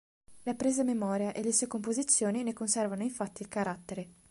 Le apprese a memoria e le sue composizioni ne conservano infatti il carattere.